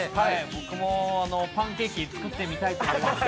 僕もパンケーキ作ってみたいと思います。